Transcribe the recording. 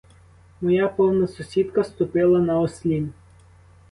Моя повна сусідка ступила на ослін.